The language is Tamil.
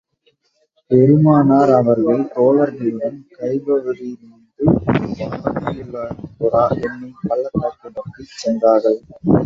பெருமானார் அவர்கள் தோழர்களுடன், கைபரிவிருந்து வாதியுல்குரா என்னும் பள்ளத்தாக்கை நோக்கிச் சென்றார்கள்.